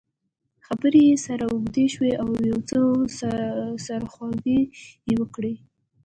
خبرې یې سره اوږدې شوې او یو څه سرخوږی یې ورکړ.